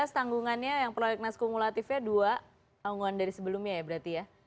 dua ribu sembilan belas tanggungannya yang proyek nas kumulatifnya dua tanggungan dari sebelumnya ya berarti ya